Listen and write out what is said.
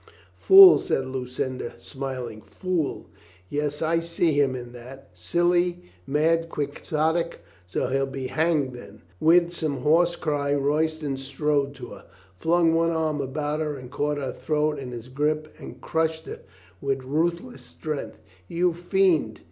"Fool," said Lucinda smiling, "fool. Yes, I see 4o8 COLONEL GREATHEART him in that. Silly, mad Quixote. So he'll be hanged, then ?" With some hoarse cry Roystpn strode to her, flung one arm about her and caught her throat in his grip and crushed her with ruthless strength. "You fiend!"